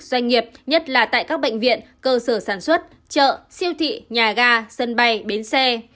doanh nghiệp nhất là tại các bệnh viện cơ sở sản xuất chợ siêu thị nhà ga sân bay bến xe